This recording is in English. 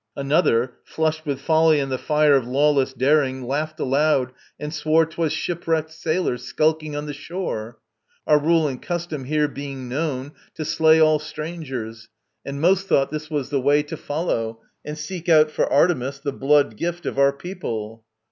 Another, flushed with folly and the fire Of lawless daring, laughed aloud and swore 'Twas shipwrecked sailors skulking on the shore, Our rule and custom here being known, to slay All strangers. And most thought this was the way To follow, and seek out for Artemis The blood gift of our people.